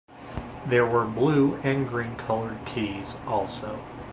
There were blue and green colored keys also.